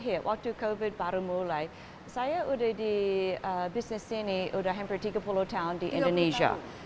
saat covid sembilan belas terjadi saya sudah di bisnis seni tiga puluh tahun di indonesia